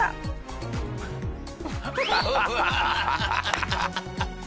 ハハハハ！